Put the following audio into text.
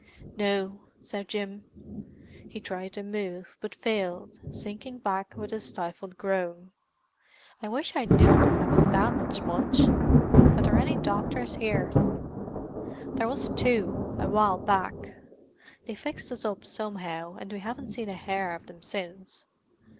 "No," said Jim. He tried to move, but failed, sinking back with a stifled groan. "I wish I knew if I was damaged much. Are there any doctors here?" "There was two, a while back. They fixed us up somehow, and we haven't seen a hair of them since.